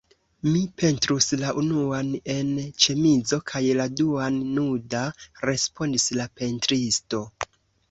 Mi pentrus la unuan en ĉemizo kaj la duan nuda, respondis la pentristo.